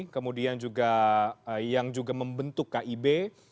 kemudian juga yang juga membentuk kib